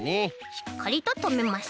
しっかりととめます。